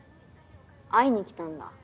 会いに来たんだ？